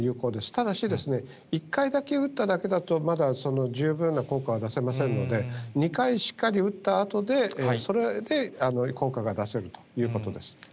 ただし、１回だけ打っただけだと、まだ十分な効果は出せませんので、２回しっかり打ったあとで、それで効果が出せるということです。